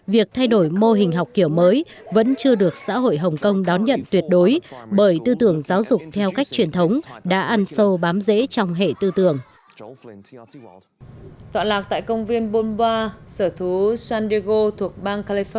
việc thay đổi mô hình học kiểu mới vẫn chưa được xã hội hồng kông đón nhận tuyệt đối bởi tư tưởng giáo dục theo cách truyền thống đã ăn sâu bám dễ trong hệ tư tưởng